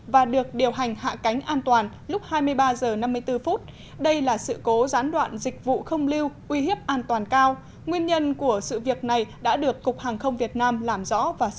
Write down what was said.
và đài kiểm soát không lưu cát bi